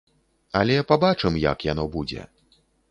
Але пабачым як яно будзе.